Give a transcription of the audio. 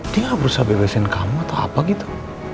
dia berusaha bebasin kamu atau apa gitu